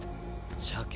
しゃけ。